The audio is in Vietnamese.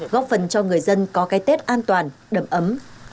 góp phần cho người dân có cái tết an toàn đầm ấm